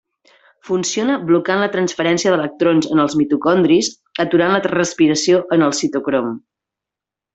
Funciona blocant la transferència d’electrons en els mitocondris, aturant la respiració en el citocrom.